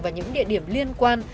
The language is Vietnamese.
và những địa điểm liên quan